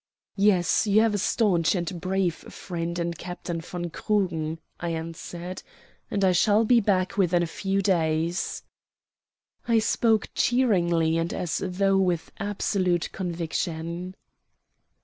"Yes, you have a stanch and brave friend in Captain von Krugen," I answered, "and I shall be back within a few days." I spoke cheeringly and as though with absolute conviction.